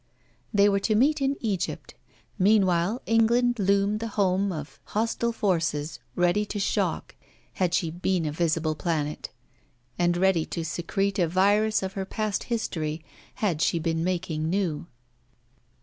They were to meet in Egypt. Meanwhile England loomed the home of hostile forces ready to shock, had she been a visible planet, and ready to secrete a virus of her past history, had she been making new.